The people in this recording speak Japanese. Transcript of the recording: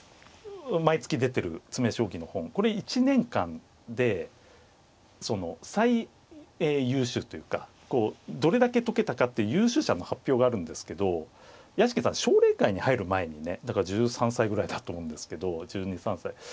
毎月出てる詰め将棋の本これ１年間で最優秀というかどれだけ解けたかって優秀者の発表があるんですけど屋敷さん奨励会に入る前にねだから１３歳ぐらいだと思うんですけど１２１３歳。